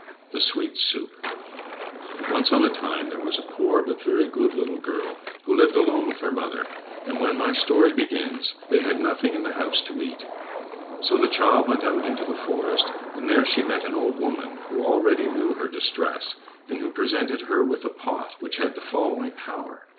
The Sweet Soup Once on a time there was a poor but very good little girl, who lived alone with her mother, and when my story begins, they had nothing in the house to eat. So the child went out into the forest, and there she met an old woman, who already knew her distress, and who presented her with a pot which had the following power.